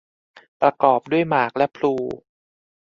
ประกอบด้วยหมากและพลู